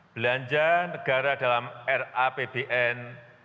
belanja negara dalam rapbn dua ribu dua puluh dua